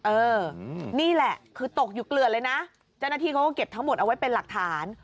เออนี่แหละคือตกอยู่เกลือดเลยนะเจ้าหน้าที่เขาก็เก็บทั้งหมดเอาไว้เป็นหลักฐาน